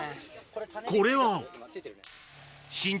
これは？